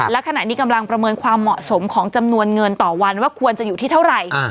และขณะนี้กำลังประเมินความเหมาะสมของจำนวนเงินต่อวันว่าควรจะอยู่ที่เท่าไหร่